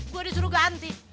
gua disuruh ganti